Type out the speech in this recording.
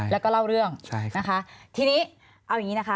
แล้วก็เล่าเรื่องใช่นะคะทีนี้เอาอย่างนี้นะคะ